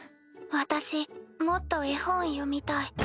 私もっと絵本読みたい。